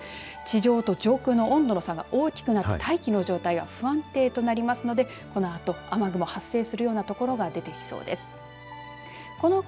地上と上空の温度の差が大きくなり大気の状態が不安定となりますので、このあと雨雲が発生するような所が出てきそうです。